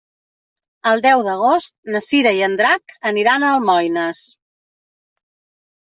El deu d'agost na Cira i en Drac aniran a Almoines.